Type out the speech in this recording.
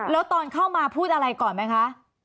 แล้วตอนเข้ามาพูดอะไรก่อนไหมคะ